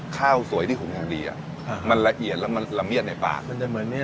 ข้าวสวยที่หุงอย่างดีอ่ะค่ะมันละเอียดแล้วมันละเมียดในปากมันจะเหมือนเนี้ย